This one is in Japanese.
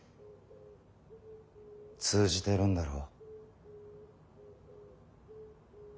通じてるんだろ。